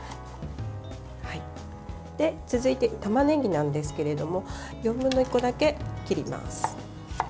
続いて、たまねぎなんですけれど４分の１個だけ切ります。